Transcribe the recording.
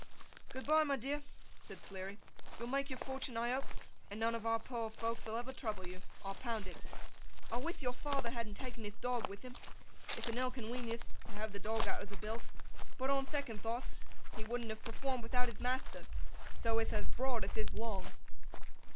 'Good bye, my dear!' said Sleary. 'You'll make your fortun, I hope, and none of our poor folkth will ever trouble you, I'll pound it. I with your father hadn't taken hith dog with him; ith a ill conwenienth to have the dog out of the billth. But on thecond thoughth, he wouldn't have performed without hith mathter, tho ith ath broad ath ith long!